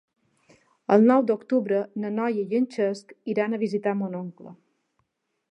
El nou d'octubre na Noa i en Cesc iran a visitar mon oncle.